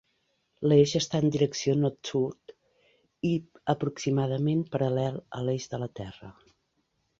L'eix està en direcció nord-sud i aproximadament paral·lel a l'eix de la Terra.